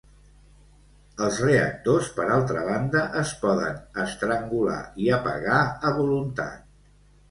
Els reactors, per altra banda, es poden estrangular i apagar a voluntat.